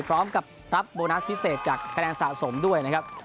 พร้อมกับรับโบนัสพิเศษจากคะแนนสะสมด้วยนะครับ